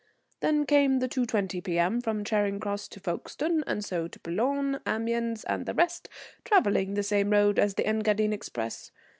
Then came the 2.20 P.M. from Charing Cross to Folkestone, and so to Boulogne, Amiens and the rest, travelling the same road as the Engadine express.